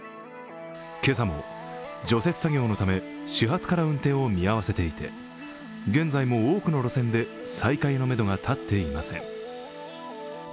今朝も除雪作業のため、始発から運転を見合わせていて現在も多くの路線で再開のめどがたっていません。